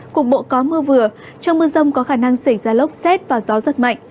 cục bộ có mưa vừa trong mưa rông có khả năng xảy ra lốc xét và gió giật mạnh